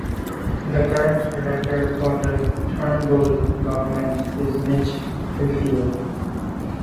The current director for the Turnbull Government is Mitch Fifield.